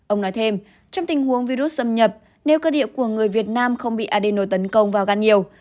ông nói thêm trong tình huống virus xâm nhập nếu cơ địa của người việt nam không bị adeno tấn công vào gan nhiều